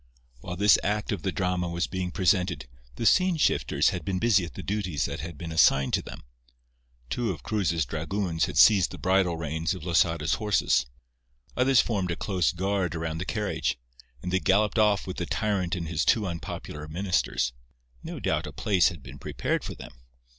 While this act of the drama was being presented, the scene shifters had been busy at the duties that had been assigned to them. Two of Cruz's dragoons had seized the bridle reins of Losada's horses; others formed a close guard around the carriage; and they galloped off with the tyrant and his two unpopular Ministers. No doubt a place had been prepared for them.